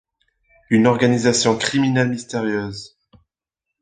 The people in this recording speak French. Une organisation criminelle mystérieuse.